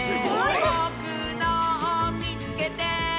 「ぼくのをみつけて！」